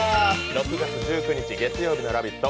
６月１９日月曜日の「ラヴィット！」